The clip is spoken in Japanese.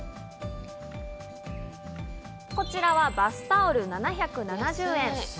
こちらはバスタオル、７７０円。